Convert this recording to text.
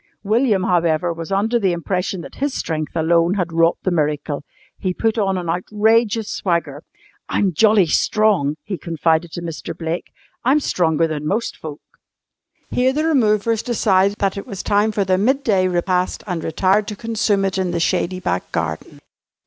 William, however, was under the impression that his strength alone had wrought the miracle. He put on an outrageous swagger. "I'm jolly strong," he confided to Mr. Blake. "I'm stronger than most folk." Here the removers decided that it was time for their midday repast and retired to consume it in the shady back garden.